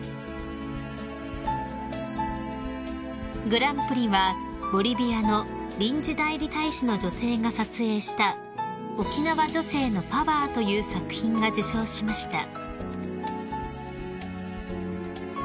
［グランプリはボリビアの臨時代理大使の女性が撮影した『沖縄女性のパワー』という作品が受賞しました］